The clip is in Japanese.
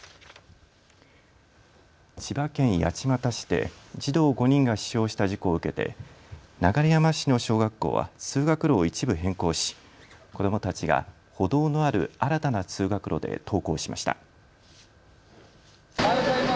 千葉県八街市で児童５人が死傷した事故を受けて流山市の小学校は通学路を一部変更し子どもたちが歩道のある新たな通学路で登校しました。